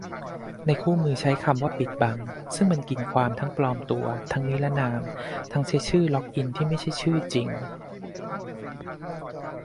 ในคู่มือใช้คำว่า "ปิดบัง" ซึ่งมันกินความ ทั้งปลอมตัว ทั้งนิรนาม ทั้งใช้ชื่อล็อกอินที่ไม่ใช่ชื่อจริง